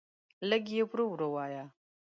لږ یی ورو ورو وایه